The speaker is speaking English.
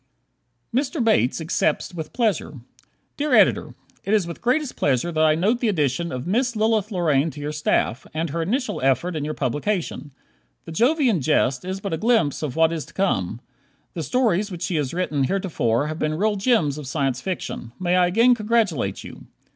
Mr. Bates Accepts with Pleasure Dear Editor: It is with greatest pleasure I note the addition of Miss Lilith Lorraine to your staff, and her initial effort in your publication. "The Jovian Jest" is but a glimpse of what is to come. The stories which she has written heretofore have been real gems of Science Fiction. May I again congratulate you.